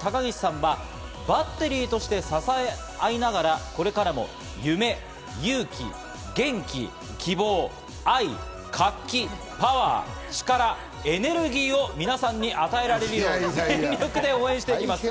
高岸さんはバッテリーとして支え合いながらこれからも夢、勇気、元気、希望、愛、活気、パワー、力、エネルギーをみなさんに与えられるように全力で応援していきます！